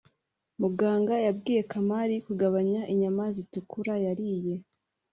muganga yabwiye kamali kugabanya inyama zitukura yariye